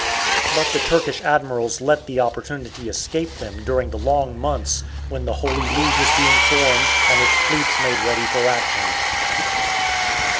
But the Turkish admirals let the opportunity escape them during the long months when the "Holy League" was being formed and its fleets made ready for action.